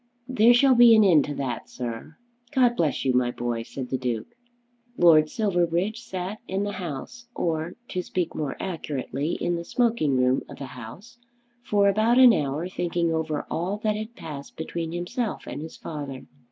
"There shall be an end to that, sir." "God bless you, my boy!" said the Duke. Lord Silverbridge sat in the House or, to speak more accurately, in the smoking room of the House for about an hour thinking over all that had passed between himself and his father.